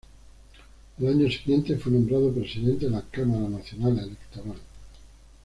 Al año siguiente fue nombrado presidente de la Cámara Nacional Electoral.